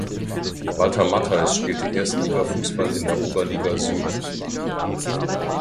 Walter Mattheis spielte Erstligafußball in der Oberliga Süd.